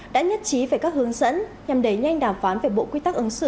đã nhất trí về các hướng dẫn nhằm đẩy nhanh đàm phán về bộ quy tắc ứng xử